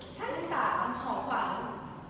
ชั้น๓ของขวัญ